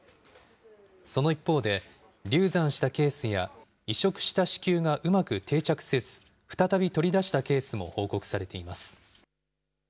その一方で、流産したケースや、移植した子宮がうまく定着せず、再び取り出したケースも報告されています。